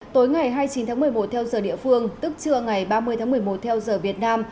tối ngày hai mươi chín tháng một mươi một theo giờ địa phương tức trưa ngày ba mươi tháng một mươi một theo giờ việt nam